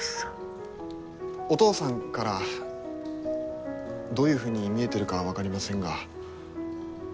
お父さんからどういうふうに見えてるかは分かりませんが。